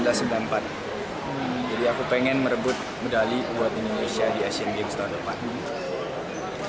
jadi aku pengen merebut medali buat indonesia di sea games tahun depan